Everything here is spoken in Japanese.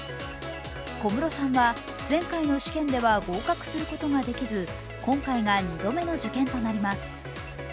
小室さんは、前回の試験では合格することができず、今回が２度目の受験となります。